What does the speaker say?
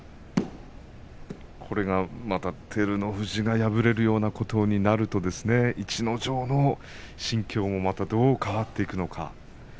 これがまた、照ノ富士が敗れるようなことになると逸ノ城の心境もどう変わっていくのか。